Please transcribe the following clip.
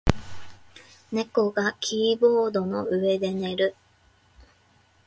猫がキーボードの上で寝る。